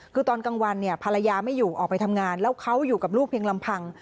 คือตอนกลางวันเนี่ยภรรยาไม่อยู่ออกไปทำงานแล้วเขาอยู่กับลูกเพียงลำพัง